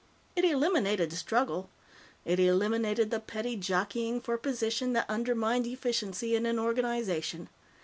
It eliminated struggle. It eliminated the petty jockeying for position that undermined efficiency in an organization.